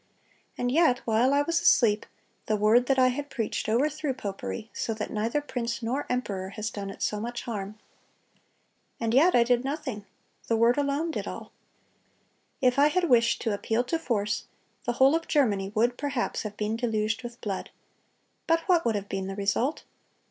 And yet while I was asleep, ... the word that I had preached overthrew popery, so that neither prince nor emperor has done it so much harm. And yet I did nothing; the Word alone did all. If I had wished to appeal to force, the whole of Germany would perhaps have been deluged with blood. But what would have been the result?